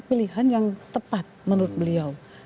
pilihan yang tepat menurut beliau